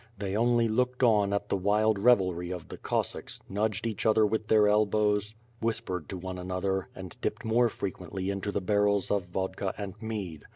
They only looked on at the wild revelry of the Cossacks, nudged each other with their elbows, whispered to one another, and dipped more frequently into the barrels of vodka and mead.